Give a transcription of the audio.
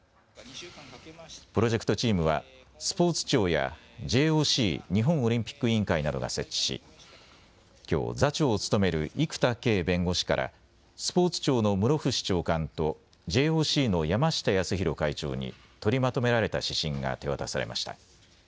プロジェクトチームはスポーツ庁やＪＯＣ・日本オリンピック委員会などが設置しきょう座長を務める生田圭弁護士からスポーツ庁の室伏長官とＪＯＣの山下泰裕会長に取りまとめられた指針が手渡されました。